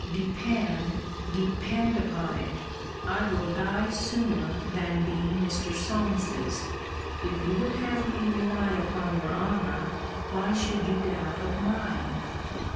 Depend, depend upon it, I will die sooner than be Mr. Solmes's. If you would have me rely upon your honour, why should you doubt of mine?